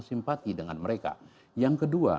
simpati dengan mereka yang kedua